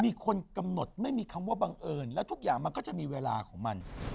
มีคนกำหนดไม่มีคำว่าบังเอิญแล้วทุกอย่างมันก็จะมีเวลาของมัน